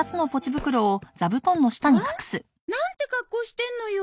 ん？なんて格好してんのよ。